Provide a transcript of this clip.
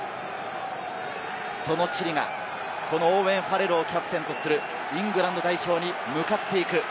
そのチリがオーウェン・ファレルをキャプテンとするイングランド代表に向かっていく。